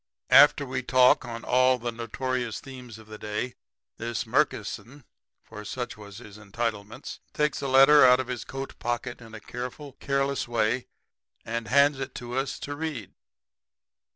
"] "After we talk on all the notorious themes of the day, this Murkison for such was his entitlements takes a letter out of his coat pocket in a careful, careless way and hands it to us to read.